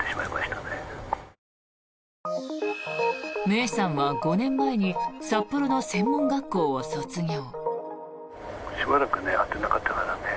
芽生さんは５年前に札幌の専門学校を卒業。